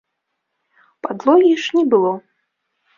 Падлогі ж не было.